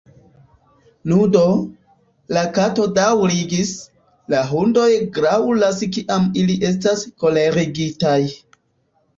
"Nu do," la Kato daŭrigis, "la hundoj graŭlas kiam ili estas kolerigitaj.